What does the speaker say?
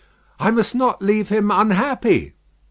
"I must not leave him unhappy."